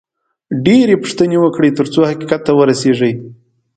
ډېرې پوښتنې وکړئ، ترڅو حقیقت ته ورسېږئ